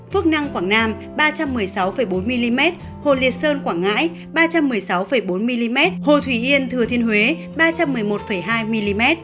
phước năng quảng nam ba trăm một mươi sáu bốn mm hồ liệt sơn quảng ngãi ba trăm một mươi sáu bốn mm hồ thủy yên thừa thiên huế ba trăm một mươi một hai mm